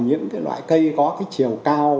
những cái loại cây có cái chiều cao